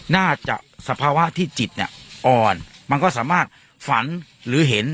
สภาวะที่จิตเนี่ยอ่อนมันก็สามารถฝันหรือเห็น